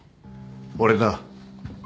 俺だ。